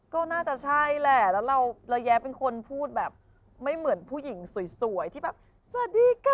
ก็น่าจะใช่แหละแล้วระยะเป็นคนพูดแบบไม่เหมือนผู้หญิงสวยที่แบบสวัสดีกัน